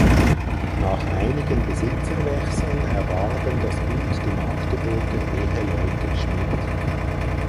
Nach einigen Besitzerwechseln erwarben das Gut die Magdeburger Eheleute Schmidt.